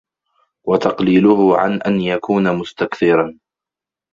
وَتَقْلِيلُهُ عَنْ أَنْ يَكُونَ مُسْتَكْثِرًا